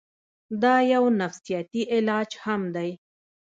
دا يو نفسياتي علاج هم دے